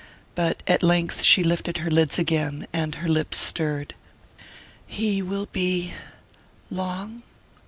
But at length she lifted her lids again, and her lips stirred. "He will be...long...